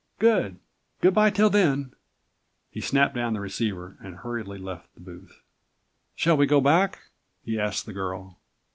Good. Good bye till then." He snapped down the106 receiver and hurriedly left the booth. "Shall we go back?" he asked the girl.